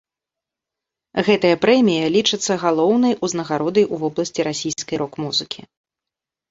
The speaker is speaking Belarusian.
Гэтая прэмія лічыцца галоўнай узнагародай у вобласці расійскай рок-музыкі.